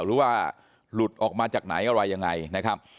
หรือว่าหลุดออกมาจากไหนอะไรยังไงนะครับ